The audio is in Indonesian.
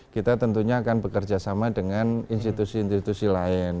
kita tentunya akan bekerja sama dengan institusi institusi lain